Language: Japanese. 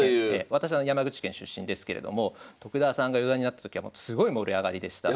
私は山口県出身ですけれども徳田さんが四段になった時はすごい盛り上がりでした。